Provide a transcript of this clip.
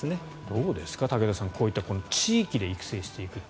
どうですか、武田さんこういった地域で育成していくと。